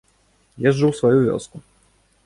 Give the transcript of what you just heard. Езджу ў сваю вёску.